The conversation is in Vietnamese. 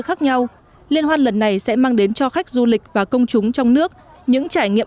khác nhau liên hoan lần này sẽ mang đến cho khách du lịch và công chúng trong nước những trải nghiệm